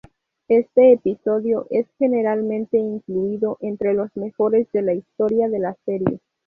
Este episodio es generalmente incluido entre los mejores de la historia de la serie.